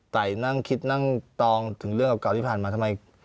นั่งคิดนั่งตองถึงเรื่องเก่าที่ผ่านมาทำไม